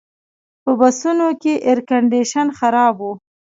په بسونو کې ایرکنډیشن خراب و.